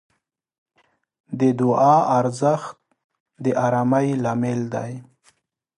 د دعا ارزښت د آرامۍ لامل دی.